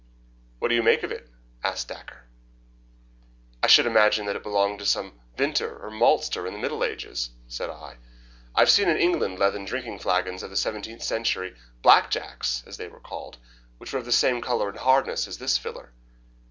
"What do you make of it?" asked Dacre. "I should imagine that it belonged to some vintner or maltster in the Middle Ages," said I. "I have seen in England leathern drinking flagons of the seventeenth century 'black jacks' as they were called which were of the same colour and hardness as this filler."